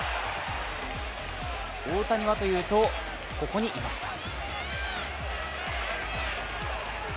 大谷はというと、ここにいました。